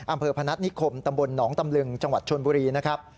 พนัฐนิคมตำบลหนองตำลึงจังหวัดชนบุรีนะครับ